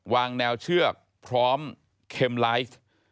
วางแนวเชือกพร้อมเข็มไลฟ์